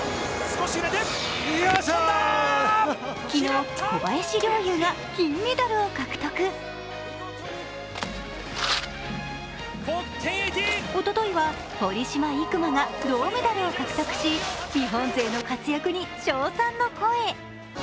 昨日、小林陵侑が金メダルを獲得おとといは堀島行真が銅メダルを獲得し、日本勢の活躍に称賛の声。